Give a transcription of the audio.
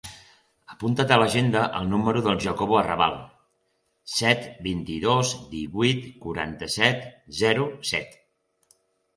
Apunta a l'agenda el número del Jacobo Arrabal: set, vint-i-dos, divuit, quaranta-set, zero, set.